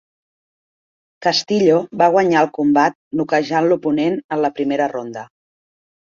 Castillo va guanyar el combat noquejant l'oponent en la primera ronda.